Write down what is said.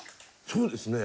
そうですね。